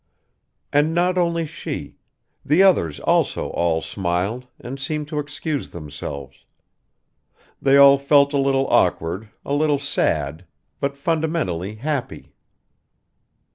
And not only she the others also all smiled and seemed to excuse themselves; they all felt a little awkward, a little sad, but fundamentally happy.